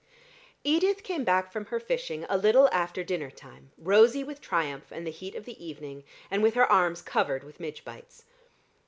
Edith came back from her fishing a little after dinner time rosy with triumph and the heat of the evening, and with her arms covered with midge bites.